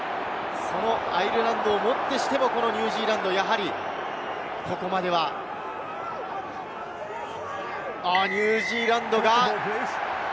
そのアイルランドを持ってしてもニュージーランドここまではニュージーランドが。